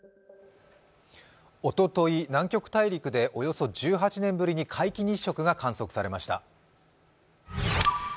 おととい、南極大陸でおよそ１８年ぶりに皆既日食が観測されました。